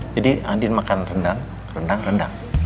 jadi andi makan rendang rendang rendang